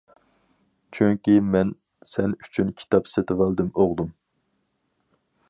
چۈنكى مەن سەن ئۈچۈن كىتاب سېتىۋالدىم، ئوغلۇم.